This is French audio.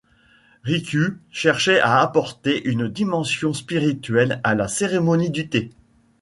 Rikyū cherchait à apporter une dimension spirituelle à la cérémonie du thé.